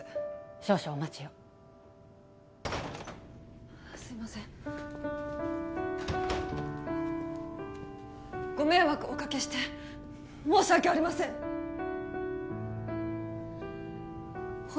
少々お待ちをすいませんご迷惑をおかけして申し訳ありませんっ